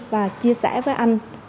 và chia sẻ với anh